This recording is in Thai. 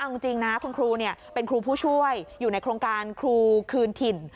เอาจริงนะคุณครูเป็นครูผู้ช่วยอยู่ในโครงการครูคืนถิ่น